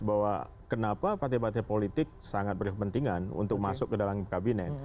bahwa kenapa partai partai politik sangat berkepentingan untuk masuk ke dalam kabinet